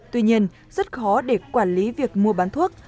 tuy nhiên rất khó để quản lý việc mua bán thuốc